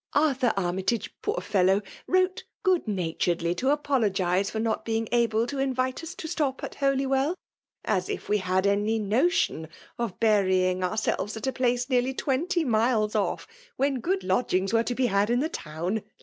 ArAur Armytage (poor fellow !) wrote good natureAy to apologize for not being able to invite us i^ stop at Holywell ; as if we had any notion (ff btttying ourselves at a place nearly t^Ptftity miles off, when good lodgings were to be had in the town!